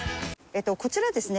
こちらですね